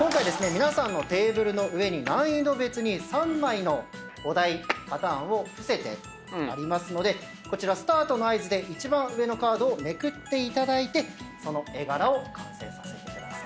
皆さんのテーブルの上に難易度別に３枚のお題パターンを伏せてありますのでスタートの合図で一番上のカードをめくっていただいてその絵柄を完成させてください。